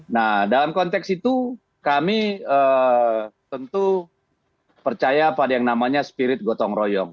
nah dalam konteks itu kami tentu percaya pada yang namanya spirit gotong royong